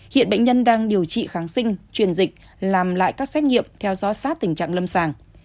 hiện bệnh nhân đang điều trị kháng sinh truyền dịch làm lại các xét nghiệm theo dõi sát tình trạng lâm sàng